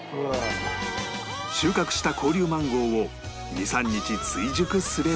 収穫した紅龍マンゴーを２３日追熟すれば